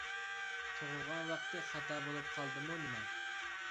تۇغۇلغان ۋاقتى خاتا بولۇپ قالدىمۇ نېمە؟